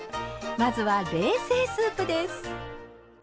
まずは冷製スープです。